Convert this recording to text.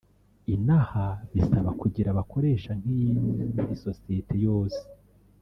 ino aha bisaba kugira abakoresha nk’iyindi sosiyete yose